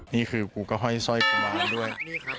นี่คือกูก็ห้อยสร้อยกุมารด้วย